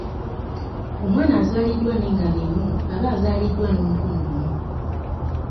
Omwana azaaliddwa n'engabo emu aba azaalidwa n’omukono gumu.